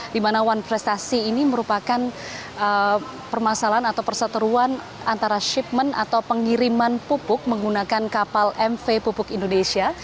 di mana wan prestasi ini merupakan permasalahan atau perseteruan antara shipment atau pengiriman pupuk menggunakan kapal mv pupuk indonesia